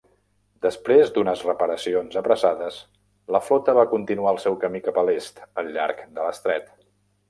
Després d'unes reparacions apressades, la flota va continuar el seu camí cap a l'est al llarg de l'estret.